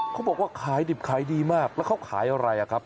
เขาบอกว่าขายดิบขายดีมากแล้วเขาขายอะไรอ่ะครับ